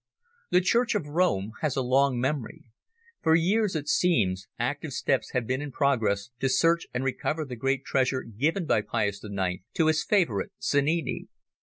The Church of Rome has a long memory. For years, it seems, active steps have been in progress to search and recover the great treasure given by Pius IX to his favourite Sannini.